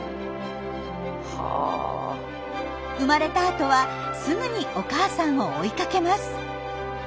生まれた後はすぐにお母さんを追いかけます。